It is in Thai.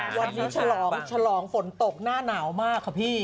วันนี้ฉลองฝนตกหน้าหนาวมากครับพี่